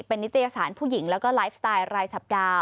เป็นนิตยสารผู้หญิงแล้วก็ไลฟ์สไตล์รายสัปดาห์